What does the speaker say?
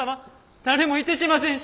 誰もいてしませんし！